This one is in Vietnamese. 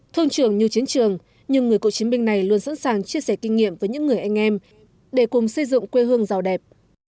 thương trường như chiến trường nhưng người cựu chiến binh này luôn sẵn sàng chia sẻ kinh nghiệm với những người anh em để cùng xây dựng quê hương giàu đẹp